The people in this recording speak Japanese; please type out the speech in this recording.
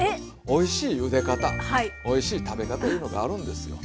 おいしいゆで方おいしい食べ方いうのがあるんですよ。